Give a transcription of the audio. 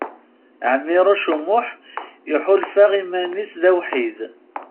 Ɛmiṛuc U Muḥ iḥulfa iman-is d awḥid.